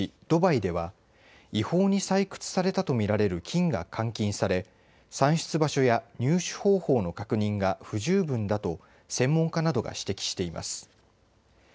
ドバイでは違法に採掘されたと見られる金が換金され産出場所や入手方法の確認が不十分だと専門家などが指摘しています。